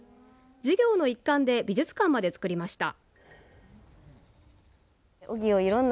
授業の一環で美術館までつくりました。